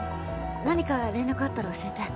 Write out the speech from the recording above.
何か連絡あったら教えて。